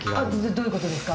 どういうことですか。